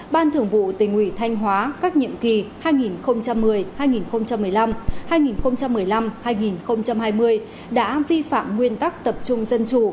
ban thường vụ tỉnh ủy thanh hóa các nhiệm kỳ hai nghìn một mươi hai nghìn một mươi năm hai nghìn một mươi năm hai nghìn hai mươi đã vi phạm nguyên tắc tập trung dân chủ